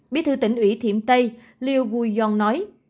biết thư tỉnh ủy thiểm tây liu guiyong nói